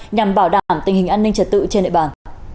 nhằm bảo đảm tình hình an ninh trật tự trên địa bàn